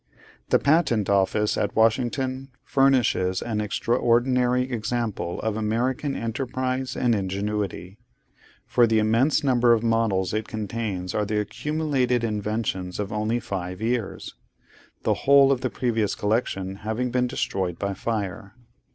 The Patent Office at Washington, furnishes an extraordinary example of American enterprise and ingenuity; for the immense number of models it contains are the accumulated inventions of only five years; the whole of the previous collection having been destroyed by fire.